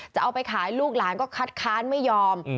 จะเอาไปขายลูกหลานก็คัดค้านไม่ยอม